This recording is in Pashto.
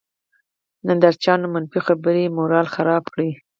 نندارچيانو، منفي خبرې یې مورال خراب کړ.